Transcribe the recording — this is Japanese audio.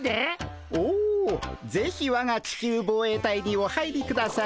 おぜひわが地球防衛隊にお入りください。